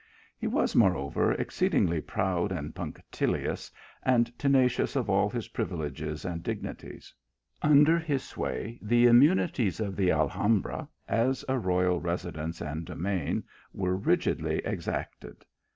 He was, moreover, exceedingly proud and punctil ious, and tenacious of all his privileges and dignities. Under his sway, the immunities of the Alhambra, as a royal residence and domain, were rigidly exacted.